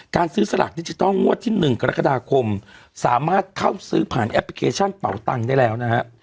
การซื้อสลากดิจิทัลงวดที่๑กรกฎาคมสามารถเข้าซื้อผ่านแอปพลิเคชันเป่าตังค์ได้แล้วนะฮะ